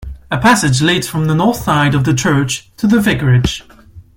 A passage leads from the north side of the church to the vicarage.